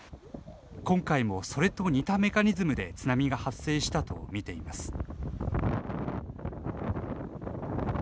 今回も、それと似たメカニズムで津波が発生したと見ています。